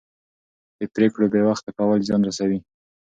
د پرېکړو بې وخته کول زیان رسوي